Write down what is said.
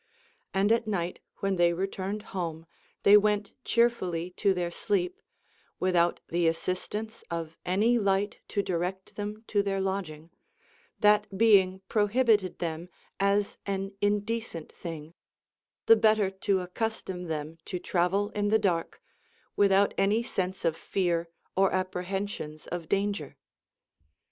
And at night wdien they returned home, they went cheerfully to their sleep, without the assistance of any light to direct them to their lodging ; that being prohibited them as an indecent thing, the better to accustom them to travel in the dark, without any sense of fear or apprehensions of danger.